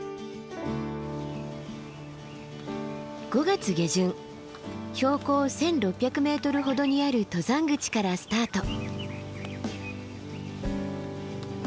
５月下旬標高１，６００ｍほどにある登山口からスタート。